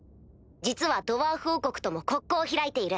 実はドワーフ王国とも国交を開いている。